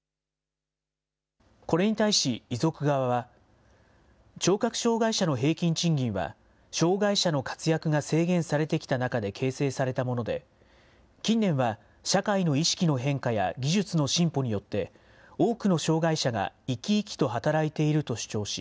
これに対し遺族側は、聴覚障害者の平均賃金は、障害者の活躍が制限されてきた中で形成されたもので、近年は社会の意識の変化や技術の進歩によって、多くの障害者が生き生きと働いていると主張し、